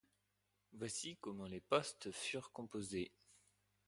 Voici comment les postes furent composés.